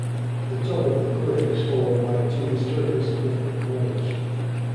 The top of the Cliff is followed by two historically significant roads.